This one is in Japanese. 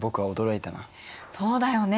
そうだよね。